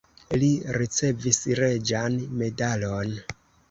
Li ricevis reĝan medalon.